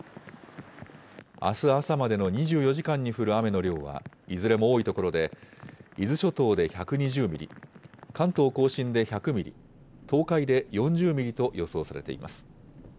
あす朝までの２４時間に降る雨の量はいずれも多い所で、伊豆諸島で１２０ミリ、関東甲信で１００ミリ、東海で４０ミリと予想されています。